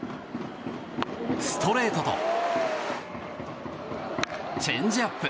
ストレートとチェンジアップ。